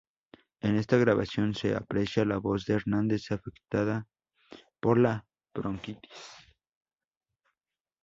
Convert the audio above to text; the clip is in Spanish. En esta grabación se aprecia la voz de Hernández afectada por la bronquitis.